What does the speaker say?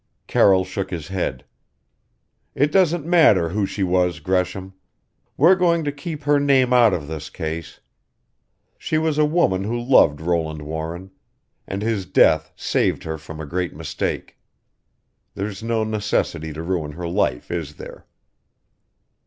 Carroll shook his head. "It doesn't matter who she was, Gresham. We're going to keep her name out of this case. She was a woman who loved Roland Warren and his death saved her from a great mistake. There's no necessity to ruin her life, is there?"